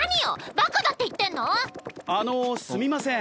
バカだって言ってんの⁉あのすみません。